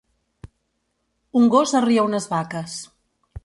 Un gos arria unes vaques